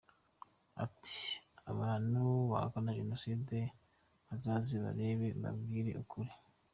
Ati “Abantu bahakana Jenoside bazaze barebe mbabwirwe ukuri.